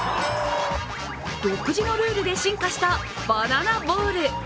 独自のルールで進化したバナナボール。